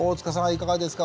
いかがですか？